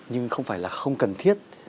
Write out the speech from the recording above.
nhưng không phải là không cần thiết